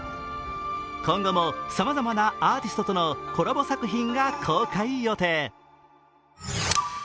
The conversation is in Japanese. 今後もさまざまなアーティストとのコラボ作品が公開予定。